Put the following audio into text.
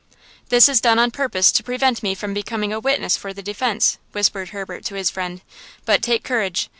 "This is done on purpose to prevent me becoming a witness for the defense!" whispered Herbert to his friend, "but take courage.